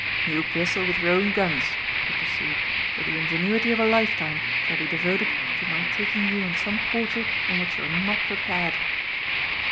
"You bristle with your own guns," he pursued, "but the ingenuity of a lifetime shall be devoted to my taking you on some quarter on which you're not prepared."